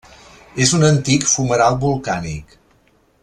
És un antic fumeral volcànic.